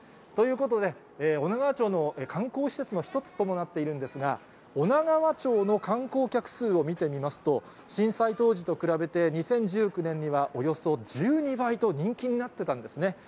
ということで、女川町の観光施設の一つともなっているんですが、女川町の観光客数を見てみますと、震災当時と比べて２０１９年にはおよそ１２倍と人気になってたんですね。